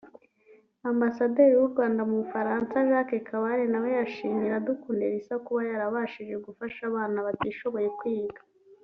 Ambasaderi w’u Rwanda mu Bufaransa Jacque Kabale nawe yashimiye Iradukunda Elsa kuba yarabashije gufasha abana batishoboye kwiga